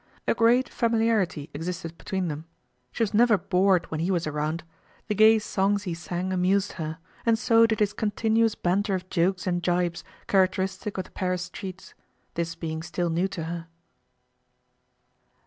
A great familiarity existed between them. She was never bored when he was around. The gay songs he sang amused her, and so did his continuous banter of jokes and jibes characteristic of the Paris streets, this being still new to her.